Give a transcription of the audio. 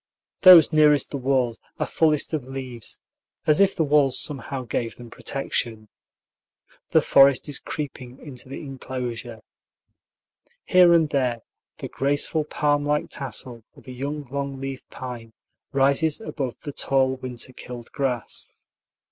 Those nearest the walls are fullest of leaves, as if the walls somehow gave them protection. The forest is creeping into the inclosure. Here and there the graceful palm like tassel of a young long leaved pine rises above the tall winter killed grass.